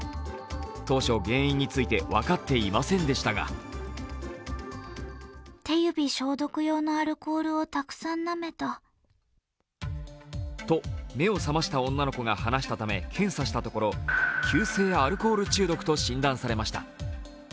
当初、原因について分かっていませんでしたがと目を覚ました女の子が話したため検査したところ急性アルコール中毒と診断されました。